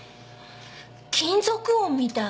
金属音みたい。